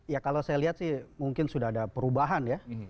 ya kalau saya lihat sih mungkin sudah ada perubahan ya di tubuh bpn